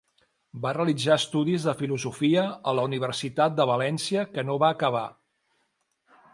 Va realitzar estudis de filosofia a la Universitat de València que no va acabar.